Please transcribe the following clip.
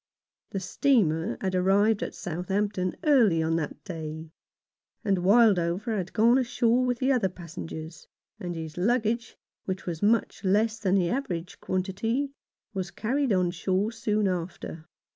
The steamer had arrived at Southampton early on that day, and Wildover had gone ashore with the other passengers, and his luggage, which was much less than the average quantity, was carried on shore soon after.